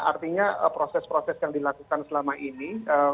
artinya proses proses yang dilakukan selama ini